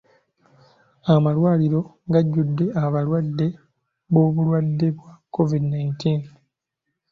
Amalwaliro gajjudde abalwadde b'obulwadde bwa COVID nineteen.